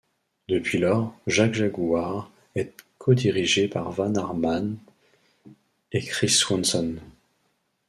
Depuis lors, Jagjaguwar est codirigé par Van Arman et Chris Swanson.